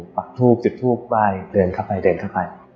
ปรักษ์ถูกจึกถูกแบ่ยเดินเข้าไป